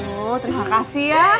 oh terima kasih ya